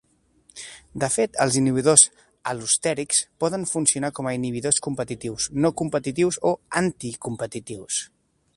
De fet, els inhibidors alostèrics poden funcionar com a inhibidors competitius, no competitius o anticompetitius.